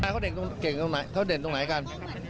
เขาเด่นตรงไหนกัน